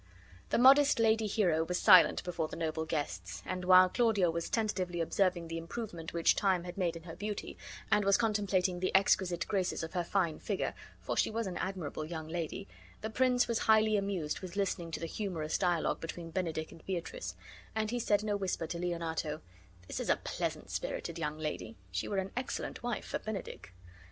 The modest lady Hero was silent before the noble guests; and while Claudio was attentively observing the improvement which time had made in her beauty, and was contemplating the exquisite graces of her fine figure (for she was an admirable young lady), the prince was highly amused with listening to the humorous dialogue between Benedick and Beatrice; and he said in a whisper to Leonato: "This is a pleasant spirited young lady. She were an excellent wife for Benedick."